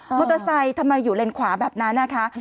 เตอร์ไซค์ทำไมอยู่เลนขวาแบบนั้นนะคะ